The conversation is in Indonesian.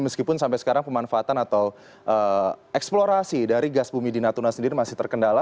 meskipun sampai sekarang pemanfaatan atau eksplorasi dari gas bumi di natuna sendiri masih terkendala